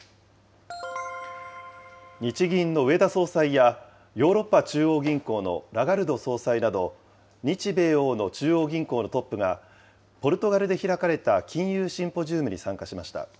日銀の植田総裁やヨーロッパ中央銀行のラガルド総裁など、日米欧の中央銀行のトップがポルトガルで開かれた金融シンポジウムに参加しました。